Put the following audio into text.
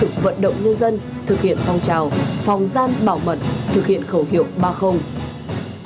thực hiện phong trào phòng gian bảo mật thực hiện khẩu hiệu ba